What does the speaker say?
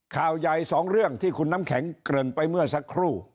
ข่าวใหญ่สองเรื่องที่คุณน้ำแข็งเกริ่นไปเมื่อสักครู่